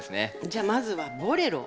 じゃあまずはボレロ。